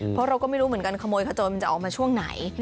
เพราะเราก็ไม่รู้เหมือนกันขโมยขโจรมันจะออกมาช่วงไหน